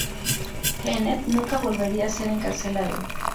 Genet nunca volvería a ser encarcelado.